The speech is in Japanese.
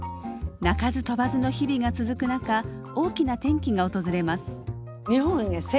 鳴かず飛ばずの日々が続く中大きな転機が訪れます。